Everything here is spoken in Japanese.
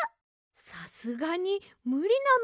さすがにむりなのでは。